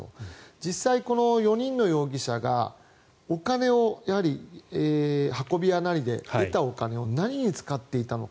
実際、この４人の容疑者が運び屋なりで得たお金を何に使っていたのか。